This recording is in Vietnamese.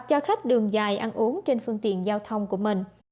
cho khách đường dài ăn uống trên phương tiện giao thông của mình